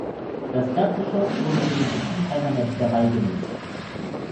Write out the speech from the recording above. Das Erdgeschoss wurde für den Betrieb einer Metzgerei genutzt.